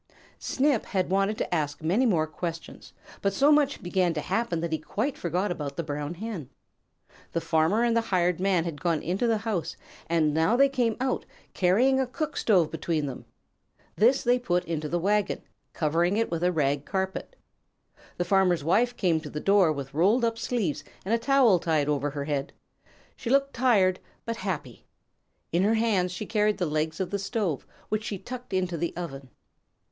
Snip had wanted to ask many more questions, but so much began to happen that he quite forgot about the Brown Hen. The Farmer and the Hired Man had gone into the house, and now they came out, carrying a cook stove between them. This they put into the wagon, covering it with rag carpet. The Farmer's Wife came to the door with rolled up sleeves and a towel tied over her head. She looked tired but happy. In her hands she carried the legs of the stove, which she tucked into the oven.